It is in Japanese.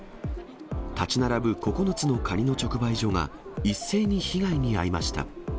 建ち並ぶ９つのカニの直売所が一斉に被害に遭いました。